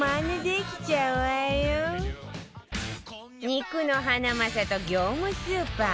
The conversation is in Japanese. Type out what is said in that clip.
肉のハナマサと業務スーパー